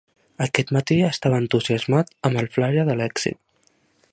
Aquest matí estava entusiasmat amb el flaire de l'èxit.